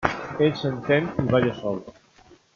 Ell s'entén i balla sol.